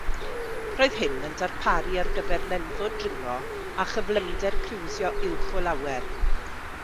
Roedd hyn yn darparu ar gyfer nenfwd dringo a chyflymder criwsio uwch o lawer.